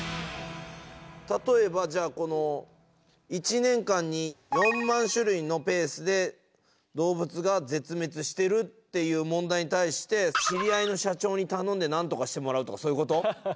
例えばじゃあこの１年間に４万種類のペースで動物が絶滅してるっていう問題に対して知り合いの社長に頼んでなんとかしてもらうとかそういうこと？